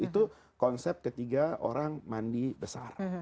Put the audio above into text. itu konsep ketiga orang mandi besar